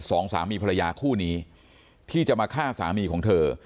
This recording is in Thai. สองสามีภรรยาคู่นี้ที่จะมาฆ่าสามีของเธอ